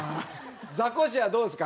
ザコシはどうですか？